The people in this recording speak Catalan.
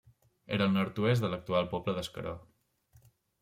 Era al nord-oest de l'actual poble d'Escaró.